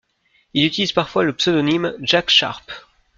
Il utilise parfois le pseudonyme Jack Sharp.